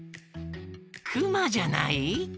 クマじゃない？